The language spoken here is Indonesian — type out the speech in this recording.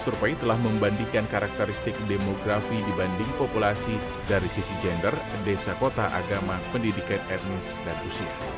survei telah membandingkan karakteristik demografi dibanding populasi dari sisi gender desa kota agama pendidikan etnis dan usia